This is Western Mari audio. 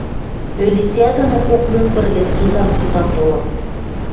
Ӧлицӓ доно кок монгыр гӹц цуцан-цуцан толыт